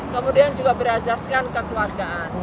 kemudian juga berhazaskan kekeluargaan